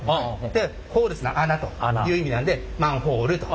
でホールが穴という意味なんでマンホールと。